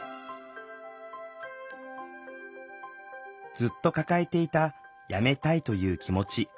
ずっと抱えていた辞めたいという気持ち。